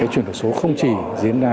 chuyển đổi số không chỉ diễn ra